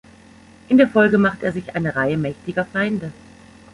In der Folge macht er sich eine Reihe mächtiger Feinde.